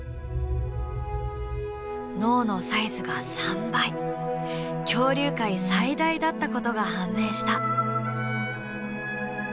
脳のサイズが３倍恐竜界最大だったことが判明した。